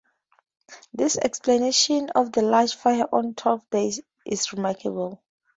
This explanation of the large fire on Twelfth Day is remarkable.